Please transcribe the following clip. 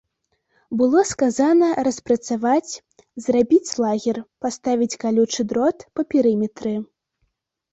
Было сказана распрацаваць, зрабіць лагер, паставіць калючы дрот па перыметры.